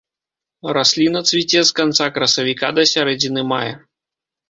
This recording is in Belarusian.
Расліна цвіце з канца красавіка да сярэдзіны мая.